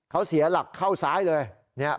เขาเสียหลักเข้าซ้ายเลย